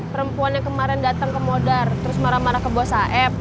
perempuan yang kemarin datang ke modar terus marah marah ke bos af